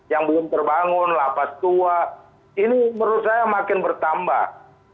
yang belum terbangun lapas tua ini menurut saya makin bertambah